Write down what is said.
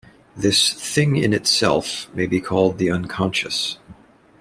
This thing-in-itself may be called the Unconscious.